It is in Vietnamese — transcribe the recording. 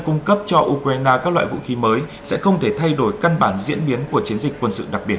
cung cấp cho ukraine các loại vũ khí mới sẽ không thể thay đổi căn bản diễn biến của chiến dịch quân sự đặc biệt